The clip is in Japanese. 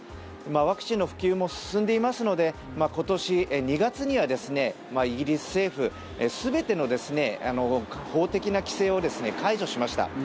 ワクチンの普及も進んでいますので今年２月にはイギリス政府全ての法的な規制を解除しました。